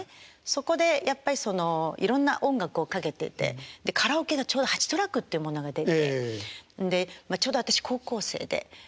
そこでやっぱりそのいろんな音楽をかけててカラオケがちょうど８トラックってものが出てんでちょうど私高校生で。